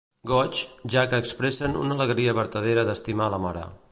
Goigs, ja que expressen una alegria vertadera d'estimar a la Mare.